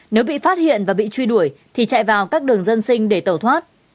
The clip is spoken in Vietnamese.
nếu bị phát hiện và bị truy đuổi thì chạy vào các đường dân sinh để tẩu thoát